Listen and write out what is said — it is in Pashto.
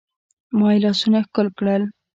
ما يې لاسونه ښکل کړل.